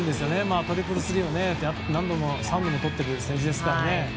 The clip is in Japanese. トリプルスリーを何度もとっている選手ですからね。